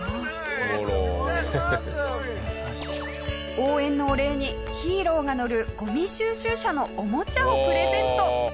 応援のお礼にヒーローが乗るゴミ収集車のおもちゃをプレゼント。